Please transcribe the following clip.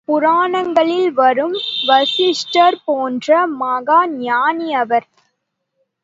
புராணங்களில் வரும் வசிஷ்டர் போன்ற மகாஞானி அவர்.